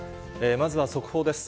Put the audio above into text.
まずは速報です。